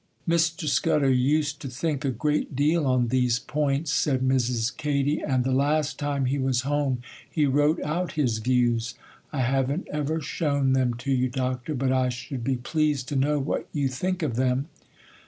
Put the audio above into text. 'Mr. Scudder used to think a great deal on these points,' said Mrs. Katy, 'and the last time he was home he wrote out his views. I haven't ever shown them to you, Doctor; but I should be pleased to know what you think of them.